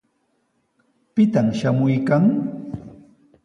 ¿Pitaq shamuykan?